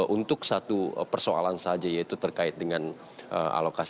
untuk satu persoalan saja yaitu terkait dengan alokasi